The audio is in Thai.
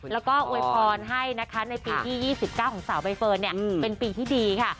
แล้วก็อวยพรให้นะคะในปีที่๒๙ของสาวใบเฟิร์นเป็นปีที่ดีค่ะ